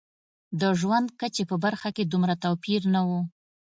د ژوند کچې په برخه کې دومره توپیر نه و.